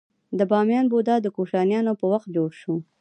د بامیان بودا د کوشانیانو په وخت جوړ شو